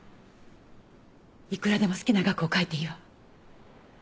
いくらでも好きな額を書いていいわ。